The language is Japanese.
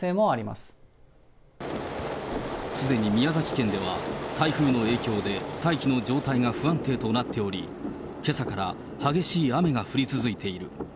すでに宮崎県では台風の影響で、大気の状態が不安定となっており、けさから激しい雨が降り続いている。